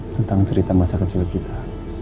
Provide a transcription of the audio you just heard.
tentang cerita masa kecil kita